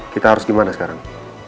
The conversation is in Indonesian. kita harus gimana sekarang